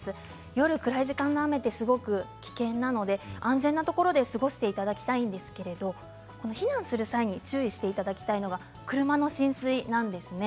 夜、暗い時間の雨はすごく危険なので安全なところで過ごしていただきたいんですけれど避難する際に注意していただきたいのが車の浸水なんです。